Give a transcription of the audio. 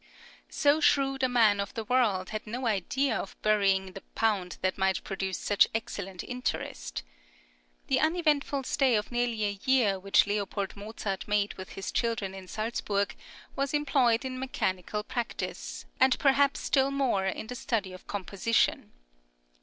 So shrewd a man of the world had no idea of burying the pound that might produce such excellent interest. {INSTRUCTION IN COUNTERPOINT.} (51) The uneventful stay of nearly a year which L. Mozart made with his children in Salzburg was employed in mechanical practice, and perhaps still more in the study of composition.